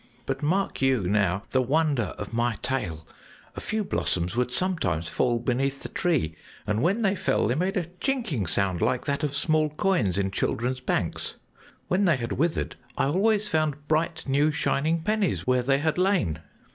But mark you now the wonder of my tale: a few blossoms would sometimes fall beneath the tree, and when they fell they made a chinking sound like that of small coins in children's banks. When they had withered, I always found bright, new shining pennies where they had lain.